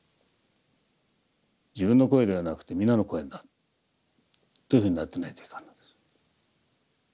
自分の声ではなくて皆の声になるというふうになってないといかんのです。